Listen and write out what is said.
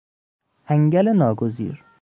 انگل ناگزیر